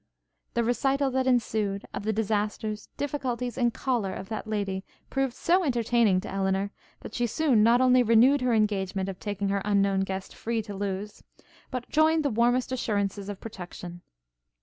The recital that ensued of the disasters, difficulties, and choler of that lady, proved so entertaining to Elinor, that she soon not only renewed her engagement of taking her unknown guest free to Lewes, but joined the warmest assurances of protection.